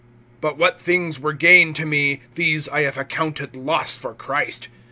(7)But what things were gain to me, these I have accounted loss for Christ.